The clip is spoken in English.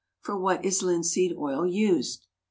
For what is linseed oil used?